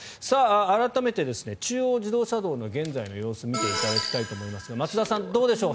改めて中央自動車道の現在の様子を見ていただきたいと思いますが松田さん、どうでしょう。